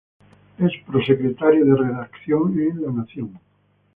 Es prosecretario de Redacción en "La Nación".